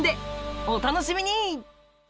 お楽しみに！